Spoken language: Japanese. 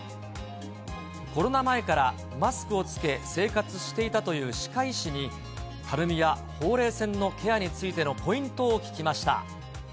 コロナ前からマスクを着け、生活していたという歯科医師に、たるみやほうれい線のケアについてのポイントを聞きました。